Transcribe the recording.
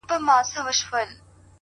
هغه به زما له سترگو ـ